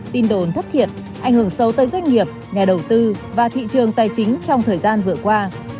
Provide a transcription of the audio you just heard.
tin đồn thất thiệt ảnh hưởng sâu tới doanh nghiệp nhà đầu tư và thị trường tài chính trong thời gian vừa qua